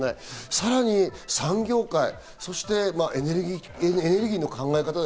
さらに産業界、そしてエネルギーの考え方。